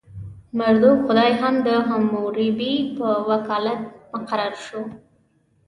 مردوک خدای هم د حموربي په وکالت مقرر شو.